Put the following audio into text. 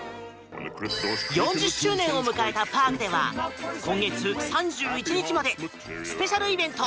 ４０周年を迎えたパークでは今月３１日までスペシャルイベント